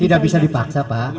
tidak bisa dipaksa pak